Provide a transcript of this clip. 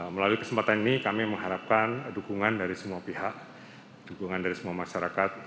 melalui kesempatan ini kami mengharapkan dukungan dari semua pihak dukungan dari semua masyarakat